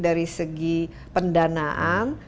dari segi pendanaan